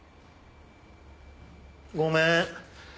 ごめん。